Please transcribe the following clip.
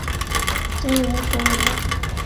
至元十五年。